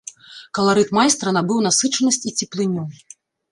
Каларыт майстра набыў насычанасць і цеплыню.